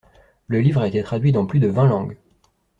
Le livre a été traduit dans plus de vingt langues.